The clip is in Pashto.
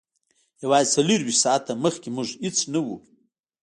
یوازې څلور ویشت ساعته مخکې موږ هیڅ نه وو